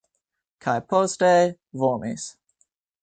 Kaj poste vomis.